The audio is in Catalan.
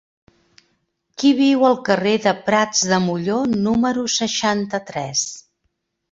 Qui viu al carrer de Prats de Molló número seixanta-tres?